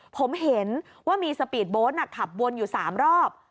ผมเห็นว่ามีสปีดโบ๊ทขับวนอยู่๓รอบ